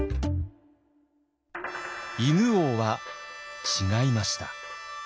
犬王は違いました。